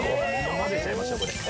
混ぜちゃいましょうこれ。